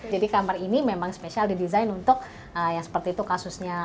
kamar ini memang spesial didesain untuk yang seperti itu kasusnya